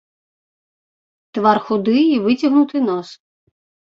Твар худы і выцягнуты нос.